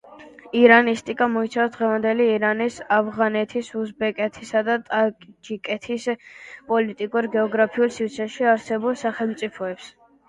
ირანისტიკა მოიცავს დღევანდელი ირანის, ავღანეთის, უზბეკეთისა და ტაჯიკეთის პოლიტიკურ–გეოგრაფიული სივრცეში არსებულ სახელმწიფოებს.